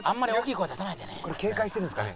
これ警戒してるんですかね？